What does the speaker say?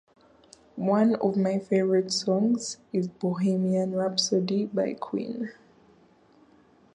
One of my favorite songs is "Bohemian Rhapsody" by Queen.